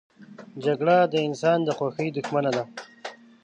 جګړه د انسان د خوښۍ دښمنه ده